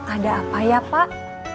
ada apa ya pak